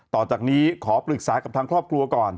ต่อจากนี้ขอปรึกษากับทางครอบครัวก่อน